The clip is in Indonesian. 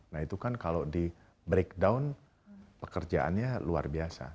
nah itu kan kalau di breakdown pekerjaannya luar biasa